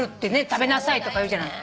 食べなさいとかいうじゃない。